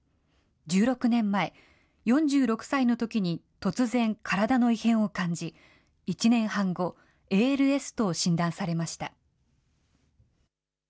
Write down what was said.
１６年前、４６歳のときに突然、体の異変を感じ、１年半後、ＡＬＳと診断されました。